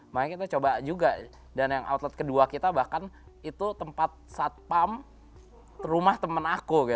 makanya kita coba juga dan yang outlet kedua kita bahkan itu tempat satpam rumah teman aku